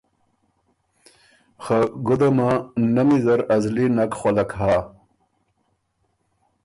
خه ګُده مه نمی زر ا زلی نک خولک هۀ“